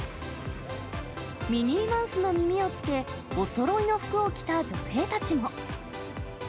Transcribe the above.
ミニーマウスの耳をつけ、おそろいの服を着た女性たちも。